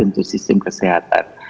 untuk sistem kesehatan